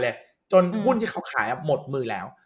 ขึ้นกันไปเลยจนหุ้นที่เค้าขายหมดมือแล้ว